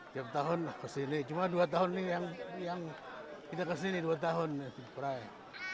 tiap tahun kesini cuma dua tahun nih yang yang kita kesini dua tahun ya